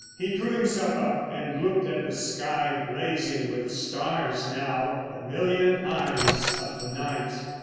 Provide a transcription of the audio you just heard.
He drew himself up and looked at the sky blazing with stars now, the million eyes of the night.